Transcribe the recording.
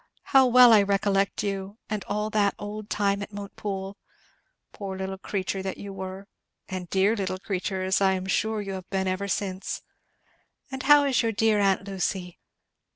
How well I recollect you! and all that old time at Montepoole. Poor little creature that you were! and dear little creature, as I am sure you have been ever since. And how is your dear aunt Lucy?"